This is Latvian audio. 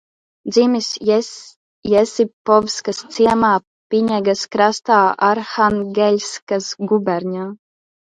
Dzimis Jesipovskas ciemā Piņegas krastā Arhangeļskas guberņā.